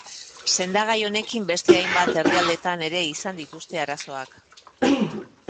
Sendagai honekin beste hainbat herrialdetan ere izan dituzte arazoak.